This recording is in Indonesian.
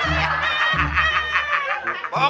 ngilu ngilu dikit rasanya